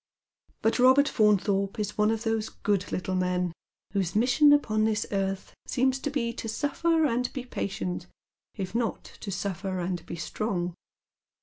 But Eobert Faunthorpe is one of those good little men whose mission upon this earth seems to be to suffer and be patient, if not to suffer and be strong.